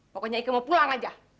pokoknya ike mau pulang aja